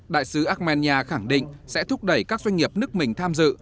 đại sứ armenia khẳng định sẽ thúc đẩy các doanh nghiệp nước mình tham dự